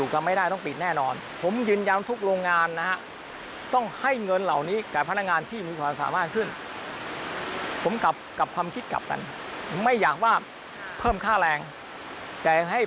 คิดเป็นมูลค่า๓๐๔๐ล้านบาท